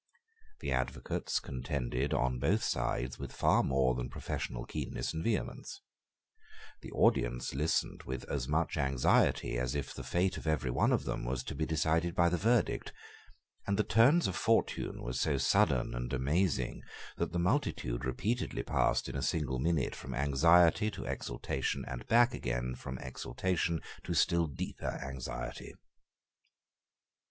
The advocates contended on both sides with far more than professional keenness and vehemence: the audience listened with as much anxiety as if the fate of every one of them was to be decided by the verdict; and the turns of fortune were so sudden and amazing that the multitude repeatedly passed in a single minute from anxiety to exultation and back again from exultation to still deeper anxiety.